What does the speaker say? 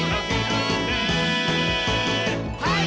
はい！